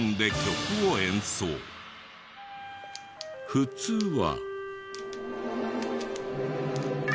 普通は。